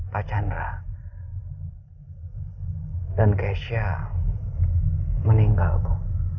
pak chandra dan keisha meninggal bu